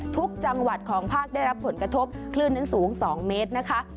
ทุกจังหวัดของภาคได้รับผลกระทบคลื่นนั้นสูง๒เมตรนะคะ